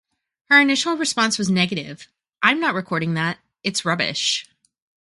Her initial response was negative, I'm not recording that, it's rubbish.